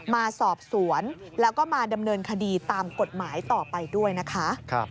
มาสอบสวนแล้วก็มาดำเนินคดีตามกฎหมายต่อไปด้วยนะคะ